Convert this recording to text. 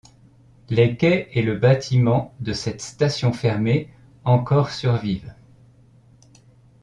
Les quais et le bâtiment de cette station fermée encore survivent.